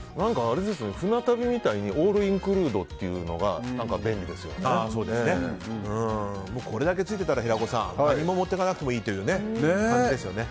船旅みたいにオールインクルードというのがこれだけついてたら、平子さん何も持っていかなくてもいいという感じですね。